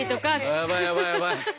えやばいやばいやばい。